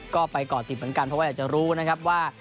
ก็ไปก่อติดเหมือนกันเพราะว่าอยากจะรู้นะครับว่า